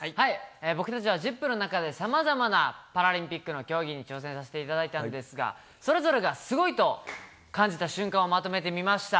僕たちはＺＩＰ！の中で、さまざまなパラリンピックの競技に挑戦させていただいたんですが、それぞれがすごいと感じた瞬間をまとめてみました。